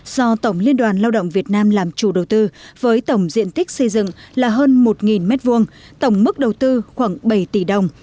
do tổng liên đoàn lao động việt nam làm chủ đầu tư với tổng diện tích xây dựng là hơn một m hai tổng mức đầu tư khoảng bảy tỷ đồng